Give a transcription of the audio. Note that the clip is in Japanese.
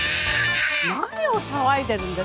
何を騒いでるんです？